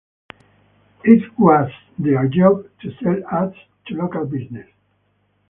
It was their job to sell ads to local business.